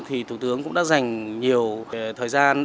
thủ tướng đã dành nhiều thời gian